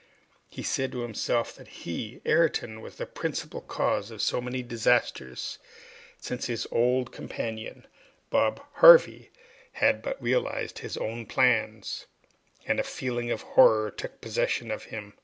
He said to himself that he, Ayrton, was the principal cause of so many disasters, since his old companion, Bob Harvey, had but realized his own plans, and a feeling of horror took possession of him.